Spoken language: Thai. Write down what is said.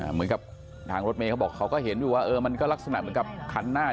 เหมือนกับทางรถเมฆเขาบอกเขาก็เห็นอยู่ว่าเออมันก็ลักษณะเหมือนกับคันหน้า